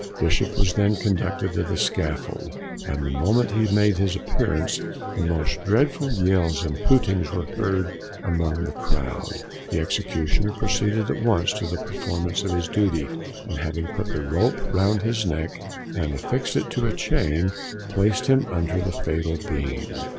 Bishop was then conducted to the scaffold, and the moment he made his appearance the most dreadful yells and hootings were heard among the crowd. The executioner proceeded at once to the performance of his duty, and having put the rope round his neck and affixed it to a chain, placed him under the fatal beam.